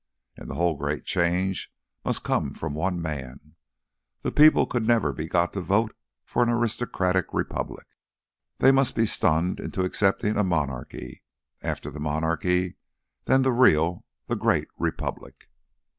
And the whole great change must come from one man. The people never could be got to vote for an aristocratic republic. They must be stunned into accepting a monarchy. After the monarchy, then the real, the great Republic."